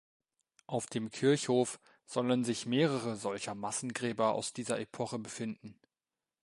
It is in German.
Auf dem Kirchhof sollen sich mehrere solcher Massengräber aus dieser Epoche befinden.